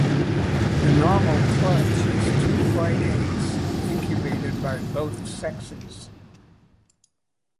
The normal clutch is two white eggs, incubated by both sexes.